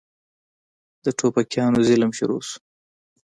د ټوپکيانو ظلم شروع سو.